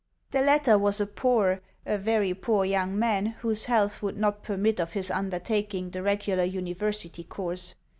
The latter was a poor a very poor young man whose health would not permit of his undertaking the regular university course.